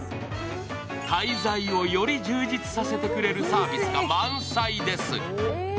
滞在をより充実させてくれるサービスが満載です。